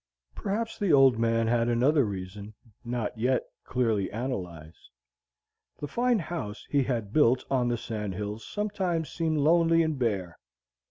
Perhaps the old man had another reason, not yet clearly analyzed. The fine house he had built on the sand hills sometimes seemed lonely and bare.